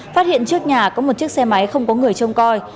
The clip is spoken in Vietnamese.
phát hiện trước nhà có một chiếc xe máy không có người trông coi